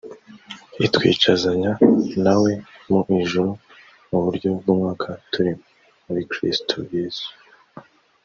itwicazanya nawe mu ijuru mu buryo bw’umwuka turi muri kristo Yesu